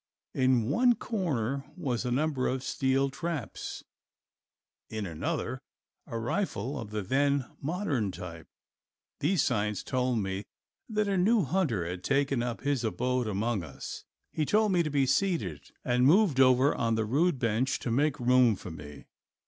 In one corner was a number of steel traps. In another a rifle of the then modern type. These signs told me that a new hunter had taken up his abode among us. He told me to be seated and moved over on the rude bench to make room for me.